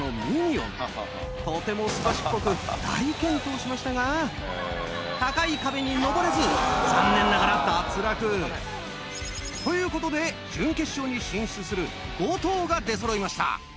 とてもすばしっこく大健闘しましたが高い壁に登れず残念ながら脱落。ということで準決勝に進出する５頭が出そろいました。